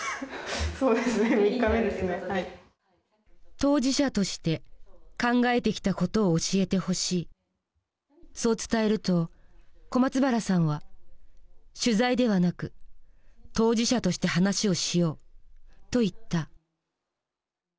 当事者として考えてきたことを教えてほしいそう伝えると小松原さんは「取材ではなく当事者として話をしよう」と言った。